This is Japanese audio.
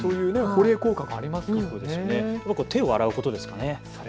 あとは手を洗うことですかね。